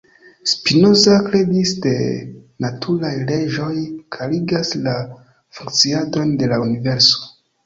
Spinoza kredis ke naturaj leĝoj klarigas la funkciadon de la universo.